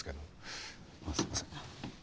あっすいません。